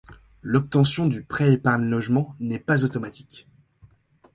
L’obtention du prêt épargne logement n’est pas automatique.